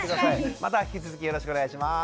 また引き続きよろしくお願いします。